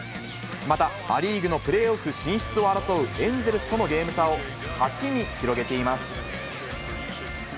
また、ア・リーグのプレーオフ進出を争うエンゼルスとのゲーム差を８に広げています。